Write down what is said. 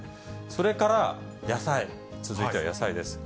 それから野菜、続いては野菜です。